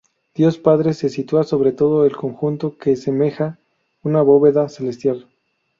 Dios Padre se sitúa sobre todo el conjunto, que semeja una bóveda celestial.